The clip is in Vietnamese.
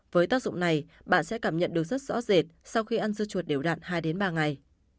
với tác dụng này bạn sẽ cảm nhận được rất rõ rệt sau khi ăn dưa chuột đều đạn hai ba ngày